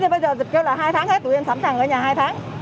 bây giờ dịch kêu là hai tháng hết tụi em sẵn sàng ở nhà hai tháng